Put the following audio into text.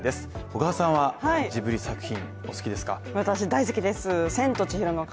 小川さんはジブリ作品、お好きですか？